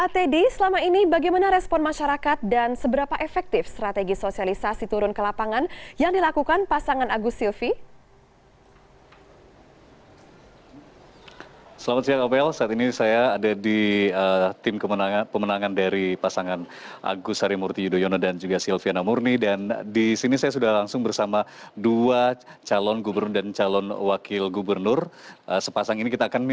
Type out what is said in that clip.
teddy selama ini bagaimana respon masyarakat dan seberapa efektif strategi sosialisasi turun ke lapangan yang dilakukan pasangan agus silvi